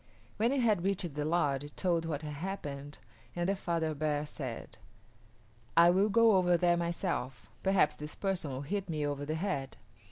When it had reached the lodge it told what had happened and the father bear said, "I will go over there myself; perhaps this person will hit me over the head."